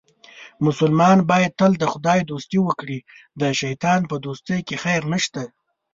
مسلمان باید تل د خدای دوستي وکړي، د شیطان په دوستۍ کې خیر نشته.